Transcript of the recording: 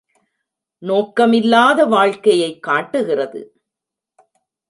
நோக்கமில்லாத வாழ்க்கையைக் காட்டுகிறது.